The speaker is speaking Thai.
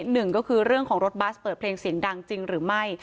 หนึ่งก็คือเรื่องของรถบัสเปิดเพลงเสียงดังจริงหรือไม่